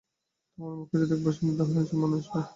তোমার মুখে যদি একবার শুনি তাহলে নিশ্চয় মনে আসবে।